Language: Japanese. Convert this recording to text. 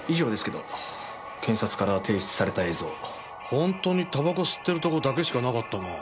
本当にタバコ吸ってるとこだけしかなかったな。